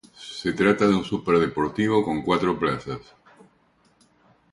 Se trata de un superdeportivo con cuatro plazas.